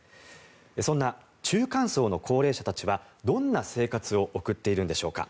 そんな中間層の高齢者たちはどんな生活を送っているんでしょうか。